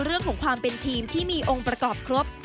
เรื่องของความเป็นทีมที่มีองค์ประกอบครบ